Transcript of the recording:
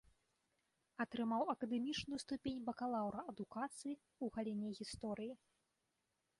Атрымаў акадэмічную ступень бакалаўра адукацыі ў галіне гісторыі.